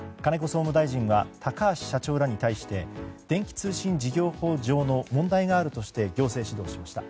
総務大臣は高橋社長らに対して電気通信事業法上の問題があるとして行政指導しました。